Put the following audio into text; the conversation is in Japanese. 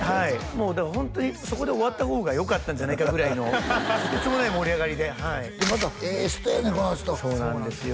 もうだからホントにそこで終わった方がよかったんじゃないかぐらいのとてつもない盛り上がりではいでまたええ人やねこの人そうなんですよ